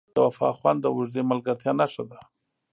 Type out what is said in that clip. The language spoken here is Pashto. د وفا خوند د اوږدې ملګرتیا نښه ده.